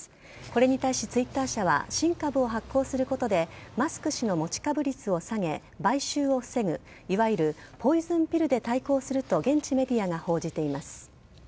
これに対しＴｗｉｔｔｅｒ社は新株を発行することでマスク氏の持ち株率を下げ買収を防ぐいわゆるポイズンピルで対抗すると現地メディアが報じています。